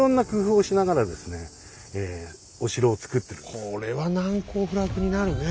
だからこれは難攻不落になるね。